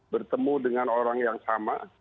bertemu dengan orang yang sama